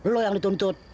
lu yang dituntut